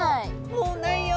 「もうないよ。